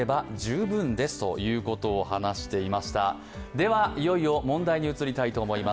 では、いよいよ問題に移りたいと思います